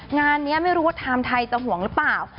งานนี้ไม่รู้ว่าไทม์ไทยจะห่วงหรือเปล่า